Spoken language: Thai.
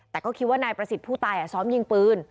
แต่ก็คิดว่านายประสิทธิ์ผู้ตายซ้อมยิงปืน